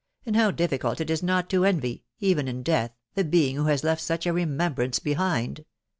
and how difficult it is not to envy, even ia death, the being who has left such a remembrance behind!